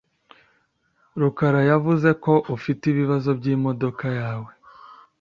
Rukara yavuze ko ufite ibibazo byimodoka yawe.